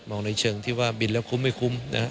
ในเชิงที่ว่าบินแล้วคุ้มไม่คุ้ม